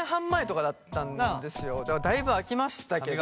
だからだいぶ空きましたけど。